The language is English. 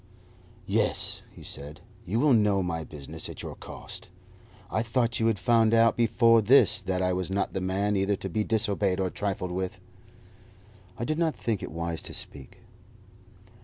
"Yes," he said; "you will know my business at your cost. I thought you had found out before this that I was not the man either to be disobeyed or trifled with." I did not think it wise to speak.